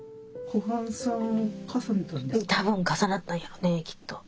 多分重なったんやろねきっと。